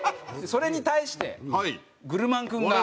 それに対してグルマンくんが。